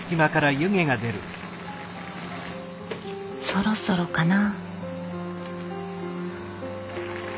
そろそろかな？